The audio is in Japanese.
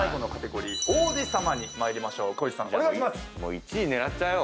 １位狙っちゃうよ